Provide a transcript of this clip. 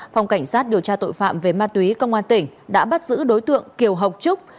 phòng cảnh sát điều tra tội phạm về ma túy công an tỉnh đã bắt giữ đối tượng kiều học trúc